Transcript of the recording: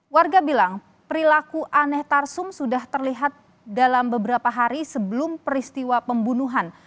warga bilang perilaku aneh tarsum sudah terlihat dalam beberapa hari sebelum peristiwa pembunuhan